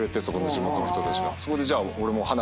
地元の人たちが。